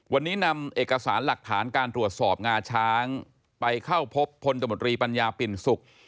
วันนี้นำเอกสารหลักฐานการตรวจสอบงาช้างไปเข้าพบพลตมตรีปัญญาปิ่นสุข